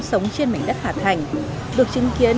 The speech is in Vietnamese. sống trên mảnh đất hà thành được chứng kiến